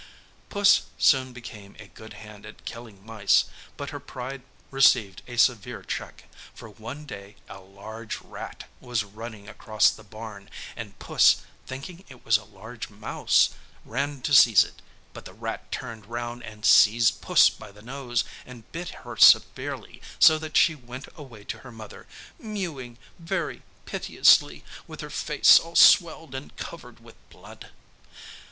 Puss soon became a good hand at killing mice, but her pride received a severe check, for one day a large rat was running across the barn, and Puss thinking it was a large mouse ran to seize it, but the rat turned round and seized Puss by the nose and bit her severely so that she went away to her mother, mewing very piteously with her face all swelled and covered with blood.